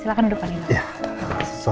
silahkan duduk pak nino